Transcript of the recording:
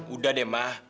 udah deh ma